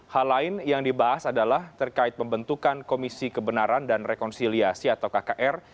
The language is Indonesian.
hal lain yang dibahas adalah terkait pembentukan komisi kebenaran dan rekonsiliasi atau kkr